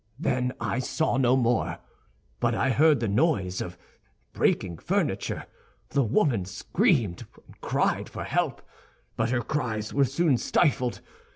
Then I saw no more; but I heard the noise of breaking furniture. The woman screamed, and cried for help; but her cries were soon stifled.